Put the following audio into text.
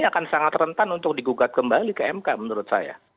dan juga untuk digugat kembali ke mk menurut saya